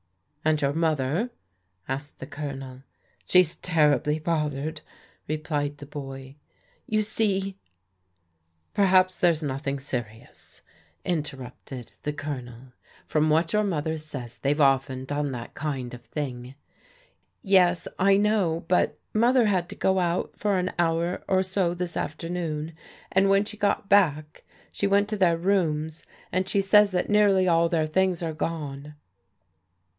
"And your mother?" asked the Colonel. "She's terribly bothered," replied the boy. "You see "« Perhaps there's nothing serious," interrupted the Colonel. " From what your mother says they've often done that kind of thing." " Yes, I know, but Mother had to go out for an hour or so this afternoon, and when she got back, she went to their rooms, and she says that nearly all their things are gone."